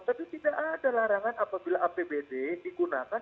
tapi tidak ada larangan apabila apbd digunakan